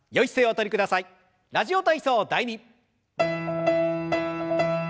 「ラジオ体操第２」。